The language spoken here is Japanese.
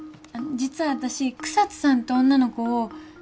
実は私草津さんって女の子を。